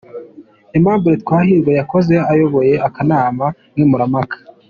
Aimable Twahirwa yahoze ayoboye akanama nkemurampaka.